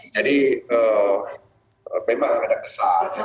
jadi memang ada kesan